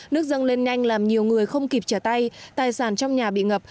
nước dâng lên nhanh làm nhiều người không kịp trả tay tài sản trong nhà bị ngập